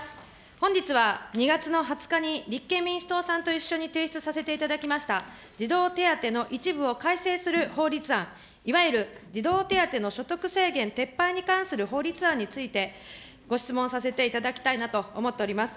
本日は２月の２０日に立憲民主党さんと一緒に提出させていただきました、児童手当の一部を改正する法律案、いわゆる児童手当の所得制限撤廃に関する法律案についてご質問させていただきたいなと思っております。